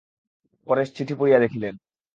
পরেশ চিঠি পড়িয়া দেখিলেন।